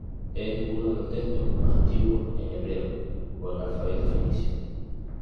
Es uno de los textos más antiguos en hebreo o en alfabeto fenicio.